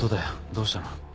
どうしたの？